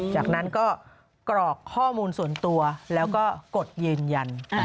จากนั้นก็กรอกข้อมูลส่วนตัวแล้วก็กดยืนยัน